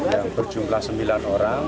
yang berjumlah sembilan orang